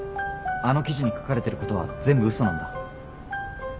あの記事に書かれてることは全部うそなんだ。